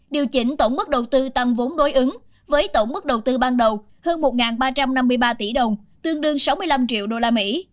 điều chỉnh tổng mức đầu tư tăng vốn đối ứng với tổng mức đầu tư ban đầu hơn một ba trăm năm mươi ba tỷ đồng tương đương sáu mươi năm triệu đô la mỹ